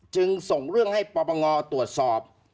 จึงส่งเรื่องให้ปปงตรวจสอบ